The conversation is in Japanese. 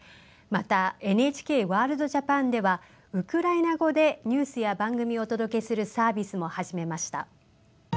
また「ＮＨＫワールドＪＡＰＡＮ」ではウクライナ語でニュースや番組をお届けするサービスも始めました。